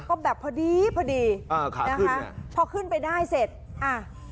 ก็แบบพอดีพอดีอ่าครับนะคะพอขึ้นไปได้เสร็จอ่ะ